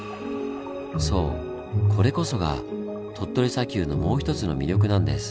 そうこれこそが鳥取砂丘のもう１つの魅力なんです。